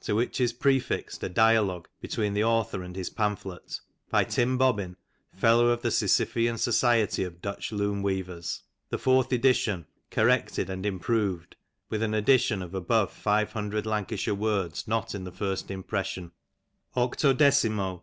to which is prefixed a Dialogue between " the author and his pamphlet. By Tim Bobbin, Fellow of the " Sisyphian Society of Dutch Loom weavers. The fourth edition, '• corrected and improved, with an addition of above five hundred " Lancashire words not in the first impression. 18mo, pp.